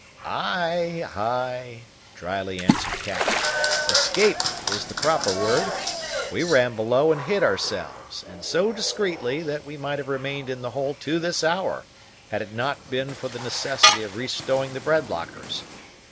"Ay, ay," drily answered Cap; "escape is the proper word. We ran below and hid ourselves, and so discreetly, that we might have remained in the hole to this hour, had it not been for the necessity of re stowing the bread lockers.